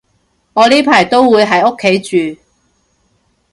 我呢排都會喺屋企住